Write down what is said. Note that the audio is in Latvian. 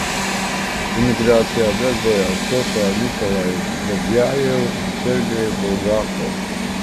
Emigrācijā darbojās kopā ar Nikolaju Berdjajevu un Sergeju Bulgakovu.